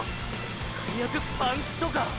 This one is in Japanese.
⁉最悪パンクとか。